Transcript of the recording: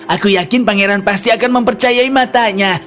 aku yakin pangeran pasti akan mempercayai matanya